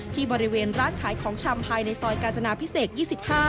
ที่บริเวณร้านขายของชำภายในซอยกาจนาพิเศษ๒๕